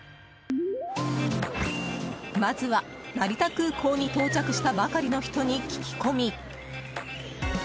まずは成田空港に到着したばかりの人に聞き込み。